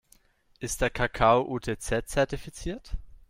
Ist der Kakao UTZ-zertifiziert?